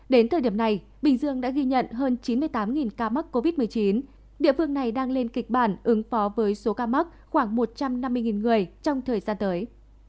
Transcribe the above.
đến thời điểm này bình dương đã ghi nhận hơn chín mươi tám ca mắc covid một mươi chín địa phương này đang lên kịch bản ứng phó với số ca mắc khoảng một trăm năm mươi người trong thời gian tới